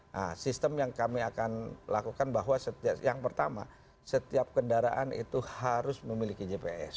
nah sistem yang kami akan lakukan bahwa yang pertama setiap kendaraan itu harus memiliki jps